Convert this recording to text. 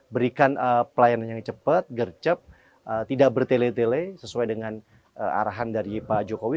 berikan pelayanan yang cepat gercep tidak bertele tele sesuai dengan arahan dari pak jokowi